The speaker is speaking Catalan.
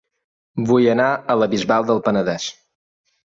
Vull anar a La Bisbal del Penedès